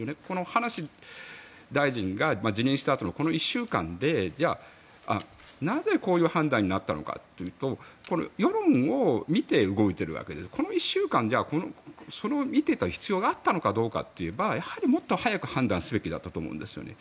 葉梨大臣が辞任したあとのこの１週間でなぜこの判断になったかというと世論を見て動いているわけでこの１週間、見ていた必要があったかといえばやっぱりもっと早く判断すべきだったと思うんですよね。